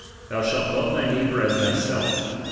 Thou shalt love thy neighbour as ■thyself.